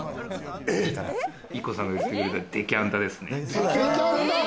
ＩＫＫＯさんが言ってくれたデキャンタですね。